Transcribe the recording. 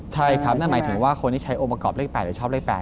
ใช่ครับนั่นหมายถึงว่าคนที่ใช้องค์ประกอบเลข๘หรือชอบเลข๘